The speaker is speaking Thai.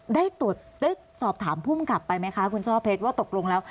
ได้ตรวจได้สอบถามภูมิกับไปไหมคะคุณช่อเพชรว่าตกลงแล้ว